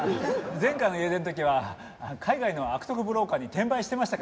前回の家出の時は海外の悪徳ブローカーに転売してましたからね。